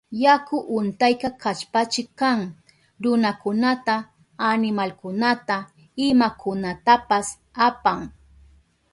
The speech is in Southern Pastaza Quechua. Yaku untayka kallpachik kan, runakunata, animalkunata, imakunatapas apan.